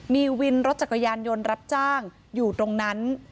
มีวินรถจักรยานยนต์รับจ้างอยู่ตรงนั้น